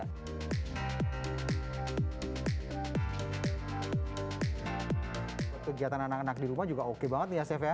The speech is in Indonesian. kegiatan anak anak di rumah juga oke banget nih ya chef ya